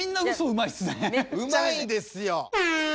うまいんですよ。